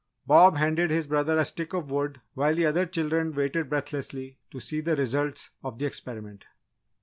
Bob handed his brother a stick of wood while the other children waited breathlessly to see the results of the experiment.